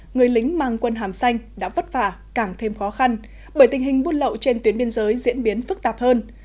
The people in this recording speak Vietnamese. người lính mang quân hàm xanh đã vất vả càng thêm khó khăn bởi tình hình buôn lậu trên tuyến biên giới diễn biến phức tạp hơn